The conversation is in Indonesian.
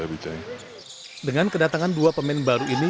terkait peningkatan dan pertahanan